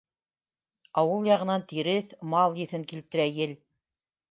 Ауыл яғынан тиреҫ, мал еҫен килтерә ел.